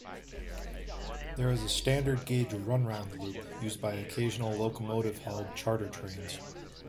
There is a standard gauge run-round loop used by occasional locomotive hauled charter trains.